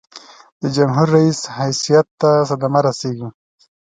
د جمهور رئیس حیثیت ته صدمه رسيږي.